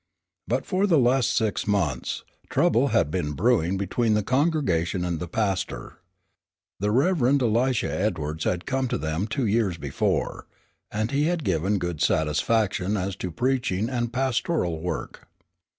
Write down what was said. But for the last six months, trouble had been brewing between the congregation and the pastor. The Rev. Elisha Edwards had come to them two years before, and he had given good satisfaction as to preaching and pastoral work.